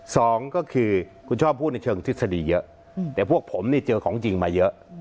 สองก็คือคุณชอบพูดในเชิงทฤษฎีเยอะแต่พวกผมนี่เจอของจริงมาเยอะ